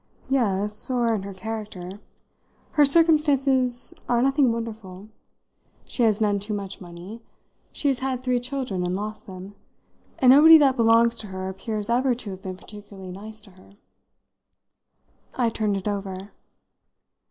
"Yes or in her character. Her circumstances are nothing wonderful. She has none too much money; she has had three children and lost them; and nobody that belongs to her appears ever to have been particularly nice to her." I turned it over.